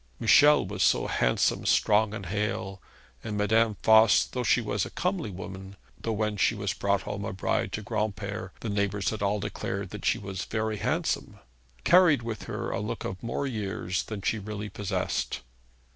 Michel was so handsome, strong, and hale; and Madame Voss, though she was a comely woman, though when she was brought home a bride to Granpere the neighbours had all declared that she was very handsome, carried with her a look of more years than she really possessed.